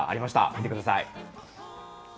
見てください。